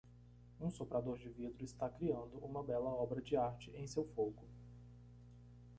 Um soprador de vidro está criando uma bela obra de arte em seu fogo.